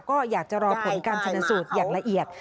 ก็อยากจะรอผลการชนะสูตรอย่างละเอียด